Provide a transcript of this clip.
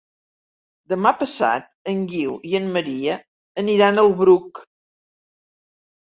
Demà passat en Guiu i en Maria aniran al Bruc.